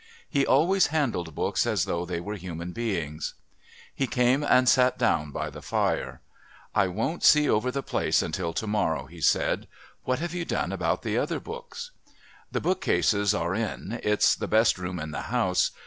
He always handled books as though they were human beings. He came and sat down by the fire. "I won't see over the place until to morrow," he said. "What have you done about the other books?" "The book cases are in. It's the best room in the house.